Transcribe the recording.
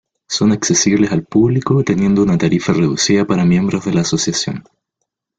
Son accesibles al público, teniendo una tarifa reducida para miembros de la asociación.